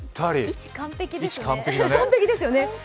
位置、完璧ですね。